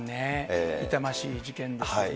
痛ましい事件ですよね。